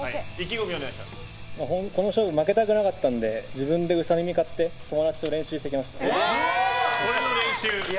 この勝負負けたくなかったので自分でウサ耳買って友達と練習してきました。